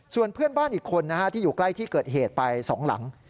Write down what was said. ส่วนเพื่อนบ้านอีกคนที่อยู่ใกล้ที่เกิดเหตุไป๒หลัง